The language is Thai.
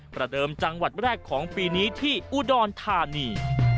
ประเดิมจังหวัดแรกของปีนี้ที่อุดรธานี